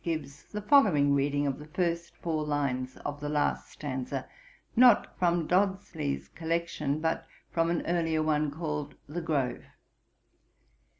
gives the following reading of the first four lines of the last stanza, not from Dodsley's Collection, but from an earlier one, called The Grove.